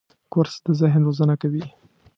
کورس د ذهن روزنه کوي.